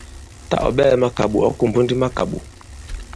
Tâ ɔ̀ ɓɛɛ̄ makàɓò, ɔ̌ kùmbu ndi makàɓò.